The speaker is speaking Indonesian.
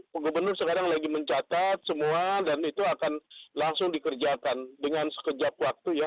pak gubernur sekarang lagi mencatat semua dan itu akan langsung dikerjakan dengan sekejap waktu ya